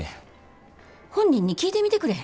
本人に聞いてみてくれへん？